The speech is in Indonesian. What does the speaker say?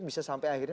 bisa sampai akhirnya